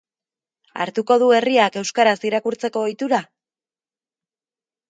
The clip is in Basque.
Hartuko du herriak euskaraz irakurtzeko ohitura?